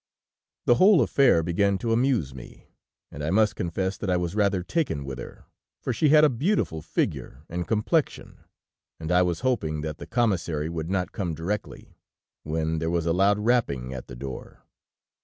"The whole affair began to amuse me, and I must confess that I was rather taken with her, for she had a beautiful figure and complexion, and I was hoping that the Commissary would not come directly, when there was a loud rapping at the door.